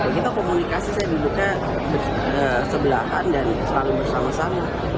kita komunikasi saya duduknya sebelahan dan selalu bersama sama